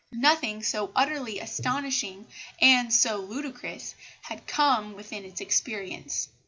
Nothing so utterly astonishing and so ludicrous had come within its experience.